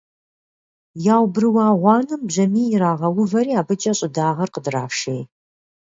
Яубрыуа гъуанэм бжьамий ирагъэувэри абыкӀэ щӀыдагъэр къыдрашей.